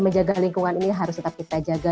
menjaga lingkungan ini harus tetap kita jaga